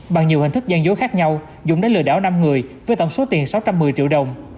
bằng nhiều hình thức gian dối khác nhau dũng đã lừa đảo năm người với tổng số tiền sáu trăm một mươi triệu đồng